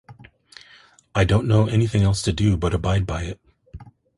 I don't know anything else to do but abide by it.